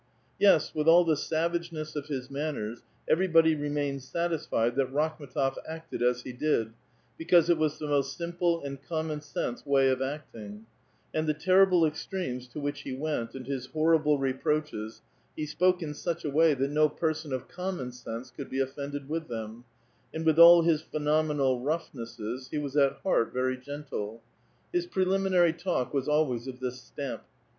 Yes, with all the savageness of his manners, everybody remained satisfied that Rakhm6tof acted as he did, because it was the most simple and common sense way of acting ; and the terrible extremes to which he went, and his horrible reproaches, he spoke in such a way, that no person of common sense could be offended with them ; and with all his phe nomenal roughnesses, he was at heart very gentle. His preliminary talk was always of this stamp.